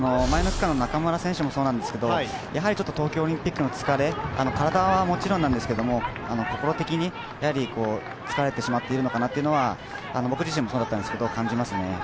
前の区間の中村選手もそうなんですけれども、ちょっと東京オリンピックの疲れ、体はもちろんなんですけれども、心的に疲れてしまっているのかなというのは、僕自身もそうだったんですけど、感じますね